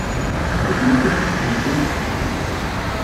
D acu i la sent-d-tettheggimt?